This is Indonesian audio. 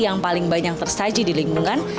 yang paling banyak tersaji di lingkungan